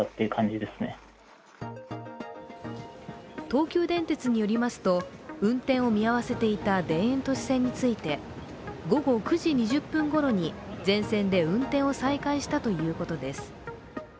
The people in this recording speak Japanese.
東急電鉄によりますと、運転を見合わせていた田園都市線について午後９時２０分ごろに全線で運転を再開したということです。